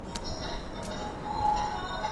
ته ولي سیر کوې.